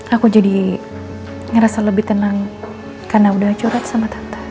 aku jadi ngerasa lebih tenang karena udah curhat sama tante